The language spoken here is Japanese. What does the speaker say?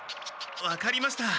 分かりました。